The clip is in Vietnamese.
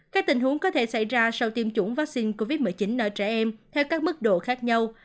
các tình huống có thể xảy ra sau tiêm chủng vaccine covid một mươi chín ở trẻ em theo các mức độ khác nhau